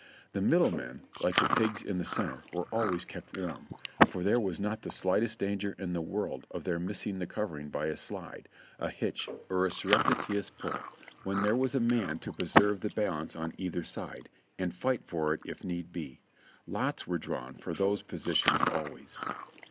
The middle men, like the pigs in the center, were always kept warm, for there was not the slightest danger in the world of their missing the covering by a slide, a hitch or a surreptitious pull, when there was a man to preserve the balance on either side, and fight for it if need be. Lots were drawn for those positions always.